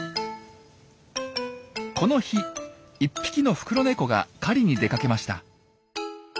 この日１匹のフクロネコが狩りに出かけました。